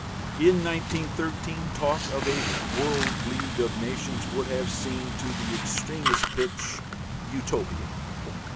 In 1913 talk of a World League of Nations would have seemed, to the extremest pitch, "Utopian."